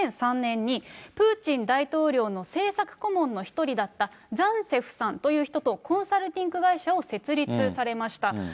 ２００３年に、プーチン大統領の政策顧問の一人だったザンツェフさんという人とコンサルティング会社を設立されました。